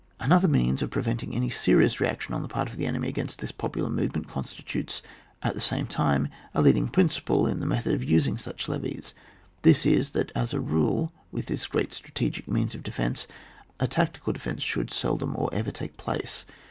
Another means of preventing any serious reaction on the part of the enemy against this popular movement consti tutes, at the same time, a leading principle in the method of using such levies ; this is, that as a rule, with this great stra tegic means of defence, a tactical defence should seldom or ever take place.